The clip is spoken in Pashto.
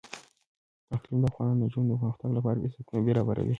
اقلیم د افغان نجونو د پرمختګ لپاره فرصتونه برابروي.